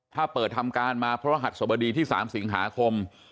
ถ้าเปิดทำการมาพศสที่๓สิงหาคม